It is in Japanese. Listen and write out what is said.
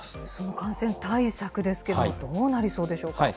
感染対策ですけれども、どうなりそうでしょうか。